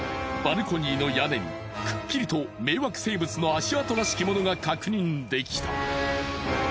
バルコニーの屋根にくっきりと迷惑生物の足跡らしきものが確認できた。